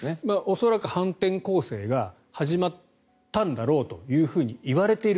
恐らく反転攻勢が始まったんだろうといわれている